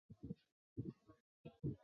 非食用鱼。